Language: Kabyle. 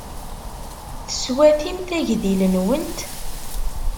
Teswatimt agdil-nwent?